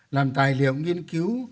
làm tài liệu nghiên cứu